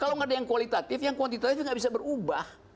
kalau nggak ada yang kualitatif yang kuantitatif nggak bisa berubah